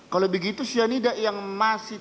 kalau begitu cyanida yang masih